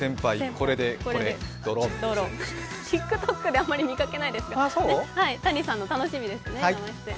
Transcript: ＴｉｋＴｏｋであまり見かけないですが、Ｔａｎｉさんの楽しみですね、生出演。